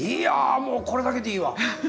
もうこれだけでいいわ！